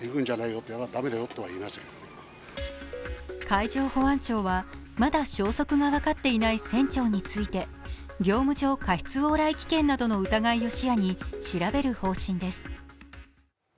海上保安庁は、まだ消息が分かっていない船長について業務上過失往来危険などの疑いを視野に調べる方針です。